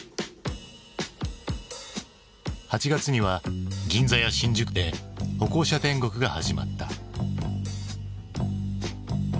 ８月には銀座や新宿で歩行者天国が始まった。